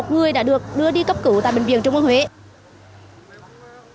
một người đã được đưa đi cấp cứu tại bệnh viện trung quốc huế